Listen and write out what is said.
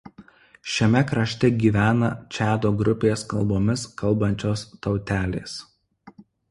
Šiame krašte gyvena Čado grupės kalbomis kalbančios tautelės.